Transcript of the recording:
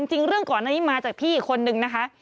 จริงเรื่องก่อนอันนี้มาจากพี่อีกคนนึงนะคะ